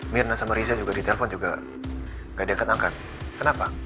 mirna sama riza juga di telpon juga gak deket angkat kenapa